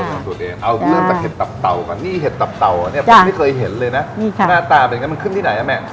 เอาเรื่องจากเห็ดตับเต่าก่อนนี่เห็ดตับเต่าเนี่ยผมไม่เคยเห็นเลยนะหน้าตาเป็นอย่างนั้นมันขึ้นที่ไหนนะแม่